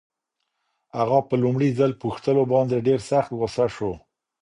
اغا په لومړي ځل پوښتلو باندې ډېر سخت غوسه شو.